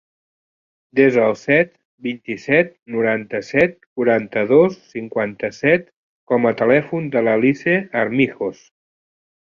Desa el set, vint-i-set, noranta-set, quaranta-dos, cinquanta-set com a telèfon de l'Alice Armijos.